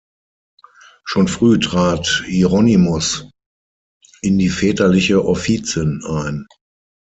Schon früh trat Hieronymus in die väterliche Offizin ein.